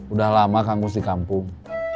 udah lama kangus di kampung